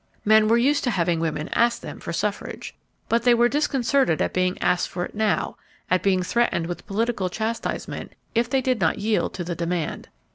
Men were used to having women ask them for suffrage. But they were disconcerted at being asked for it now; at being threatened with political chastisement if they did not yield to the demand.